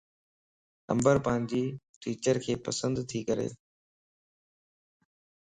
عمبر پانجي ٽيچرک پسنڌ تي ڪري